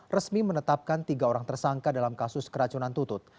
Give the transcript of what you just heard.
resmi menetapkan tiga orang tersangka dalam kasus keracunan tutut